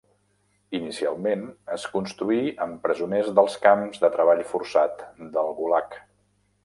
Inicialment es construí amb presoners dels camps de treball forçat del Gulag.